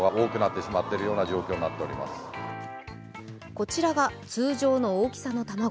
こちらが通常の大きさの卵。